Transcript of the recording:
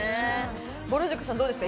ぼる塾さんどうですか？